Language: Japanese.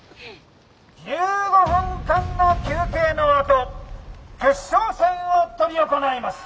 「１５分間の休憩のあと決勝戦を執り行います。